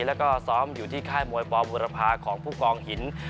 แล้วก็ซ้อมอยู่ที่ค่ายมวยปบุรพาของผู้กองหิน